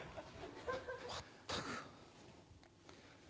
まったく。